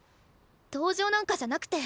同情なんかじゃなくて。